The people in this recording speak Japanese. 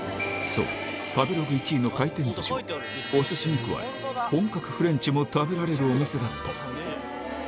そう、食べログ１位の回転ずしは、おすしに加え、本格フレンチも食べられるお店だった。